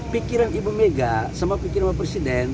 pikiran ibu mega sama pikiran bapak presiden